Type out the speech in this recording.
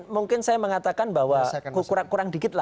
mungkin saya mengatakan bahwa kurang dikit lah